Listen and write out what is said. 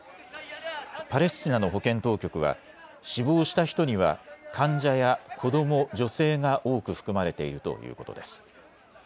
パレスチナの保健当局は死亡した人には患者や子ども、女性が多く含まれているということです。